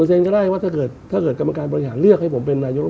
ไม่ใช่ครับไม่ใช่ครับเป็นกลยุทธ์อย่างหนึ่งแน่นอนครับ